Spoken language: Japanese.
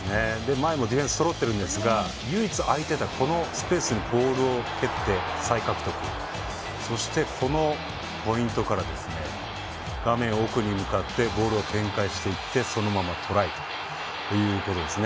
前もディフェンスがそろっていますが唯一、空いていたこのスペースにボールを蹴って再獲得し、そしてこのポイントから画面奥に向かってボールを展開しそのままトライということです。